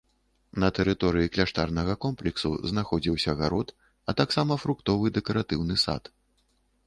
На тэрыторыі кляштарнага комплексу знаходзіўся гарод, а таксама фруктовы дэкаратыўны сад.